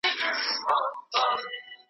مشر کله خبري کوي؟